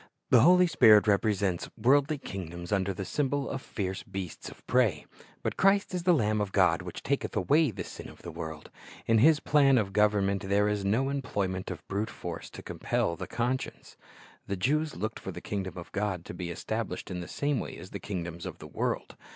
The Holy Spirit represents worldly kingdoms under the symbol of fierce beasts of prey; but Christ is "the Lamb of God, which taketh away the sin of the world. "^ In His plan of government there is no employment of brute force to compel the conscience. The Jews looked for the kingdom of God to be established in the same way as the kingdoms of the world.